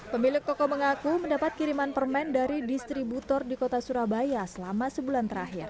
pemilik toko mengaku mendapat kiriman permen dari distributor di kota surabaya selama sebulan terakhir